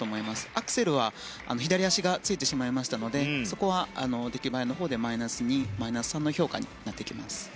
アクセルは左足がついたので出来栄えのほうでマイナス２、マイナス３の評価になってきます。